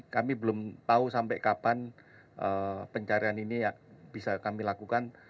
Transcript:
kami belum tahu sampai kapan pencarian ini bisa kami lakukan